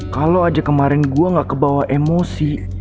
kalau aja kemarin gue gak kebawa emosi